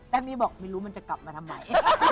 นี้บอกไม่รู้มันจะกลับมาทำไม